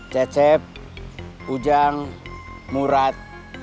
cecep ujang murad